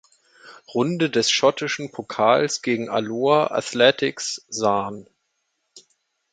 Runde des schottischen Pokals gegen Alloa Athletic sahen.